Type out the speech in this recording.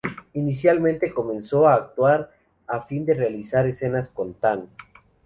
Inicialmente, comenzó a actuar a fin de realizar escenas con Tan.